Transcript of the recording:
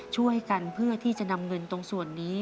เพื่อที่จะนำเงินตรงส่วนนี้